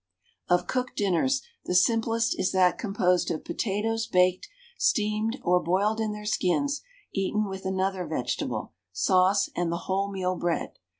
Of cooked dinners, the simplest is that composed of potatoes baked, steamed, or boiled in their skins, eaten with another vegetable, sauce, and the wholemeal bread.